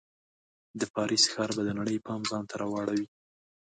د پاریس ښار به د نړۍ پام ځان ته راواړوي.